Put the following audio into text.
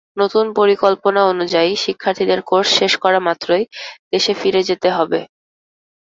নতুন পরিকল্পনা অনুযায়ী শিক্ষার্থীদের কোর্স শেষ করা মাত্রই দেশে ফিরে যেতে হবে।